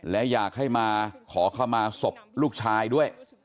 และอยากให้มาขอเข้ามาศพลูกชายด้วย